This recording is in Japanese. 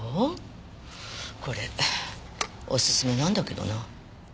これおすすめなんだけどな。